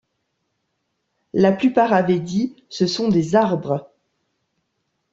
La plupart avaient dit: Ce sont des arbres.